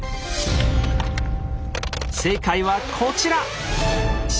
正解はこちら！